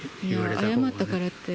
謝ったからって。